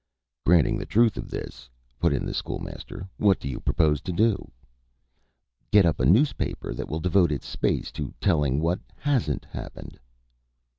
"Granting the truth of this," put in the School Master, "what do you propose to do?" "Get up a newspaper that will devote its space to telling what hasn't happened."